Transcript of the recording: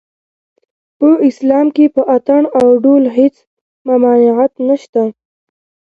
په اسلام کې په اټن او ډول هېڅ ممانعت نشته